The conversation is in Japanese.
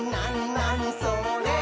なにそれ？」